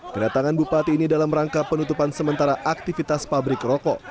kedatangan bupati ini dalam rangka penutupan sementara aktivitas pabrik rokok